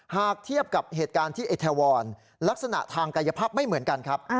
หากเทียบกับเหตุการณ์ที่เอทาวรลักษณะทางกายภาพไม่เหมือนกันครับ